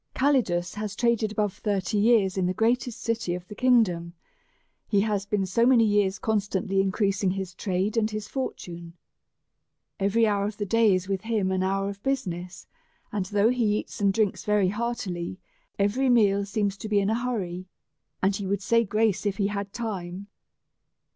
Calidus has traded above thirty years in the greatest city of the kingdom ; he has been so many years con stantly increasing his trade and his fortune. Every hour of the day is with him an hour of business ; and though he eats and drinks very heartily, yet every meal seems to be in a hurry, and he would say grace if he had time.